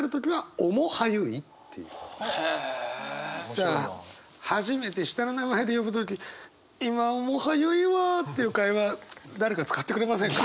さあ初めて下の名前で呼ぶ時今面映いわっていう会話誰か使ってくれませんか？